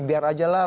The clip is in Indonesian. biar aja lah